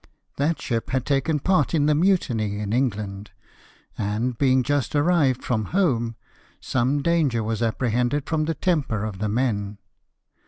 That ship had taken part in the mutiny in England, and being just arrived from home, some danger was apprehended from the temper of the men.